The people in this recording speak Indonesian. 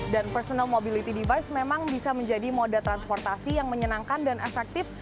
dan personal mobility device memang bisa menjadi moda transportasi yang menyenangkan dan efektif